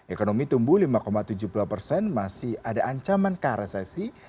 ekonomi tumbuh lima tujuh puluh dua persen masih ada ancaman ke resesi